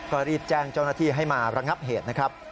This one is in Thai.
ก็รีบแจ้งเจ้าหน้าที่ให้มาระงับเหตุนะครับ